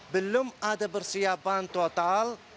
belum ada persiapan total